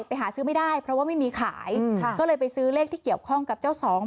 ไปหาซื้อไม่ได้เพราะว่าไม่มีขายค่ะก็เลยไปซื้อเลขที่เกี่ยวข้องกับเจ้าสอง